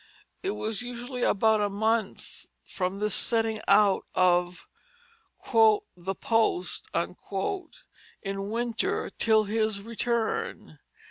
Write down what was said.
It was usually about a month from this setting out of "the post" in winter, till his return.